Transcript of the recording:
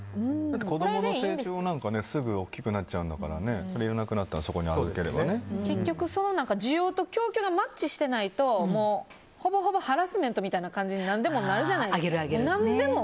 子供の成長なんかすぐ大きくなっちゃうんだからいらなくなったら結局、需要と供給がマッチしてないとほぼほぼハラスメントみたいな感じに何でもなるじゃないですか。